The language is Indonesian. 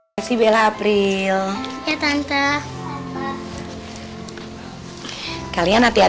kamu akan menikah